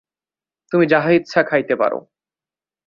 তুমি যাহা ইচ্ছা খাইতে পার।